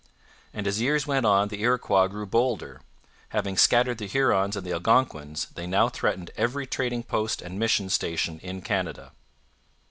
And as years went on the Iroquois grew bolder. Having scattered the Hurons and the Algonquins, they now threatened every trading post and mission station in Canada.